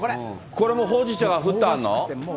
これもほうじ茶が振ってあるの？